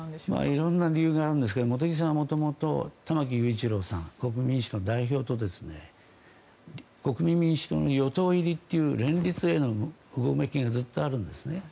いろんな理由があるんですけど茂木さんはもともと玉木雄一郎さん国民民主の代表と国民民主党の与党入りという連立へのうごめきがずっとあるんですね。